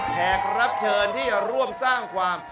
แขกรับเชิญที่จะร่วมสร้างความ